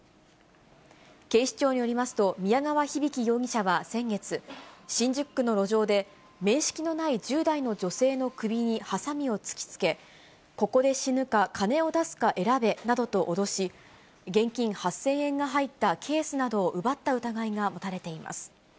警視庁によりますと、宮川陽日希容疑者は先月、新宿区の路上で面識のない１０代の女性の首にはさみを突きつけ、ここで死ぬか、金を出すか選べなどと脅し、現金８０００円が入ったケースなどを奪った疑いが持たれています。